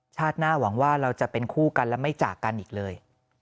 หน้าหวังว่าเราจะเป็นคู่กันและไม่จากกันอีกเลย